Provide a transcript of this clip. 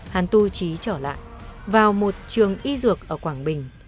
hắn tu chí trở lại vào một trường y dược ở quảng bình